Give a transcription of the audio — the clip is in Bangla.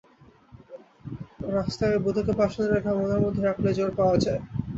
ও রাস্তায় বধূকে পাশে না রেখে মনের মধ্যে রাখলে জোর পাওয়া যায়।